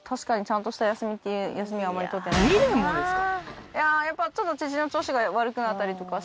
２年もですか？